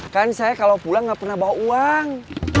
kan saya kalau pulang nggak pernah bawa uang